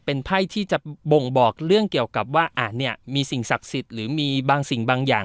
เป็นไพ่ที่จะบ่งบอกเรื่องเกี่ยวกับว่าเนี่ยมีสิ่งศักดิ์สิทธิ์หรือมีบางสิ่งบางอย่าง